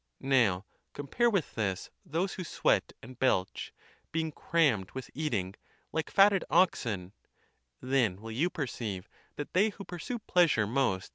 Now, compare with this those who sweat and belch, being cram med with eating, like fatted oxen; then will you perceive that they who pursue pleasure most.